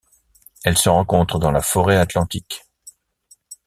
Elles se rencontrent dans la forêt atlantique.